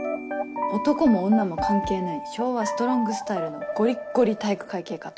男も女も関係ない昭和ストロングスタイルのゴリッゴリ体育会系かと。